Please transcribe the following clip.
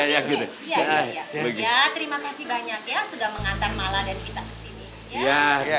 ya terima kasih banyak ya sudah mengantar mala dan kita kesini